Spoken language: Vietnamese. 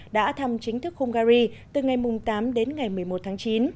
đã thăm chính thức hungary từ ngày tám đến ngày một mươi một tháng chín